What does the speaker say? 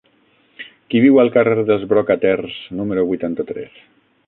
Qui viu al carrer dels Brocaters número vuitanta-tres?